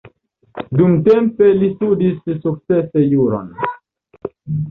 Dumtempe li studis sukcese juron.